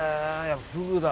フグだ。